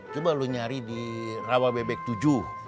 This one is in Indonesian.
coba lo nyari di rawa bebek tujuh